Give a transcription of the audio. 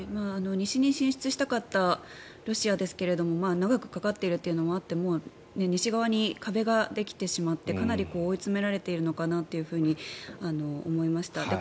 西に進出したかったロシアですが長くかかっているというのもあって西側に壁ができてしまってかなり追い詰められているのかなって思いました。